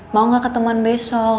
mau gak ketemuan besok